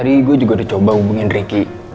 tadi gue juga udah coba hubungin ricky